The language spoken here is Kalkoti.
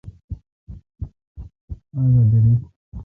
اگا دریل